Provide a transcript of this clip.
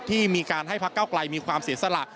ที่มีการให้พักเก้าไกลมีความเสียสละ